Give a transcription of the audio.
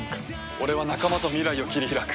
俺は仲間と未来を切り開く。